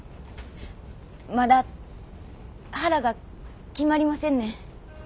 まだ腹が決まりませんねん。